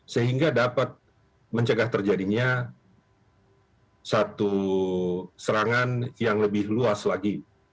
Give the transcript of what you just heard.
sehingga dapat mencegah terjadinya satu serangan yang lebih luas lagi